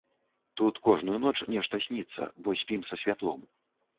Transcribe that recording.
Тут кожную ноч нешта сніцца, бо спім са святлом.